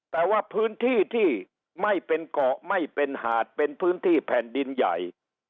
แต่ว่าพื้นที่ที่ไม่เป็นเกาะไม่เป็นหาดเป็นพื้นที่แผ่นดินใหญ่